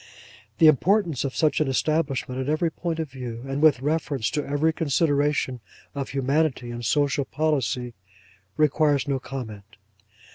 The importance of such an establishment, in every point of view, and with reference to every consideration of humanity and social policy, requires no comment.